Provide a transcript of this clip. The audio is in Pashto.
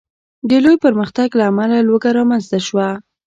د لوی پرمختګ له امله لوږه رامنځته شوه.